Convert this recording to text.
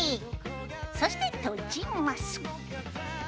そして閉じます。